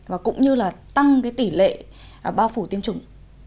và cũng như là tăng cái tỷ lệ bao phủ tiêm chủng